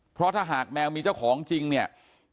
เพราะถ้าหากแมวมีเจ้าของจริงเนี่ย